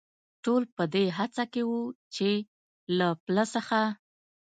ټول په دې هڅه کې و، چې له پله څخه.